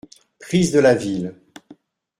- Prise de la ville.